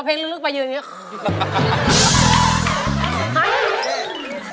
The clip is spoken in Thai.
พอเพลงลึกไปอยู่อย่างนี้